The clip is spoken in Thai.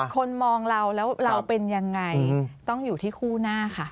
คนมองเราแล้วเราเป็นยังไงต้องอยู่ที่คู่หน้าค่ะ